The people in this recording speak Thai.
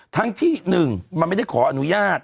ทั้งที่๑มันไม่ได้ขออนุญาต